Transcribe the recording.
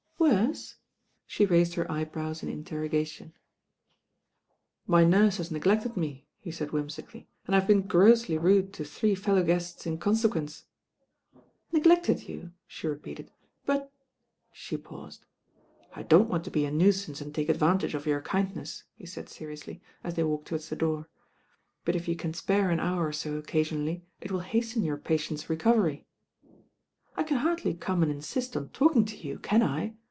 "Worse?" She raised her eyebrows in interro gat'on. "My nurse has neglected me," he said whim sically, "and I have been grossly rude to three fellow guests in consequence." "Neglected you?" she repeated, "but " she paused. "I don't want to be a nuisance and take advantage of your kindness," he said seriously, as they walked 170 THE RAIN OntL towards the door, "but if you can spare an hour or so occasionally, it will hasten your patient's recovery." "I can hardly come and insist on talking to you, can I?"